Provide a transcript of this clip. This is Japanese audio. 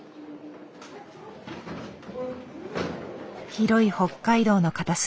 広い北海道の片隅。